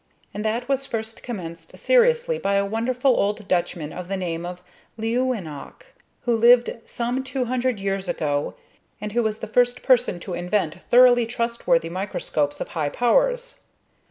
And that was first commenced seriously by a wonderful old Dutchman of the name of Leeuwenhoek, who lived some two hundred years ago, and who was the first person to invent thoroughly trustworthy microscopes of high powers.